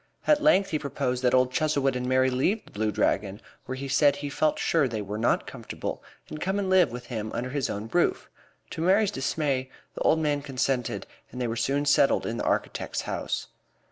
At length he proposed that old Chuzzlewit and Mary leave The Blue Dragon, where he said he felt sure they were not comfortable, and come and live with him under his own roof. To Mary's dismay, the old man consented, and they were soon settled in the architect's house.